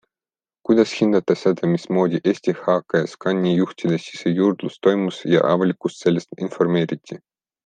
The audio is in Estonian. Kuidas hindate seda, mismoodi Eesti HKScani juhtide sisejuurdlus toimus ja avalikkust sellest informeeriti?